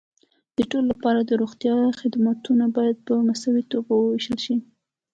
د ټولو لپاره د روغتیا خدمتونه باید په مساوي توګه وېشل شي.